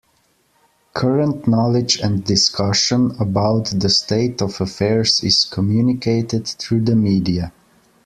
Current knowledge and discussion about the state of affairs is communicated through the media.